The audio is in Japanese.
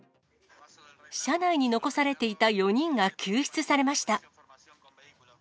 車内に残されていた４人が救出されました。